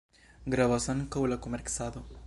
Gravas ankaŭ la komercado.